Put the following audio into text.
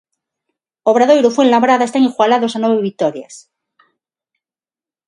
Obradoiro e Fuenlabrada están igualados a nove vitorias.